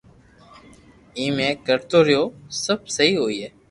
ايم اي ڪرتو رھيو سب سھي ھوئي